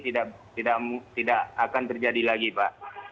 tidak akan terjadi lagi pak